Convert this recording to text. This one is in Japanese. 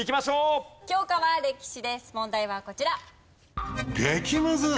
問題はこちら。